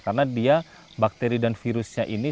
karena dia bakteri dan virusnya ini